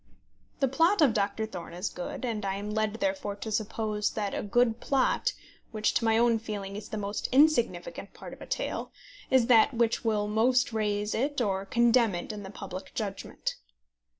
The plot of Doctor Thorne is good, and I am led therefore to suppose that a good plot, which, to my own feeling, is the most insignificant part of a tale, is that which will most raise it or most condemn it in the public judgment.